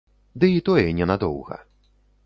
Ды і тое не надоўга.